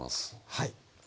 はい。